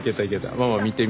ママ見てみ。